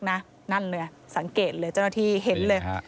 นั่นเลยสังเกตเลยเจ้าหน้าที่เห็นเลย